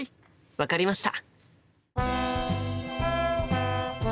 分かりました！